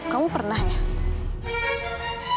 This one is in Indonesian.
kamu pernah ya